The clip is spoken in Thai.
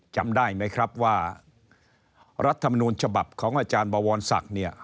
จำได้ไหมครับว่ารัฐมนูลฉบับของอาจารย์บวรศักดิ์เนี่ย